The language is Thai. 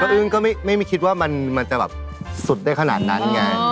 อึ้งก็ไม่คิดว่ามันจะแบบสุดได้ขนาดนั้นไง